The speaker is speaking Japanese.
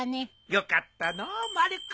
よかったのうまる子。